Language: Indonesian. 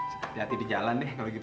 hati hati di jalan deh kalau gitu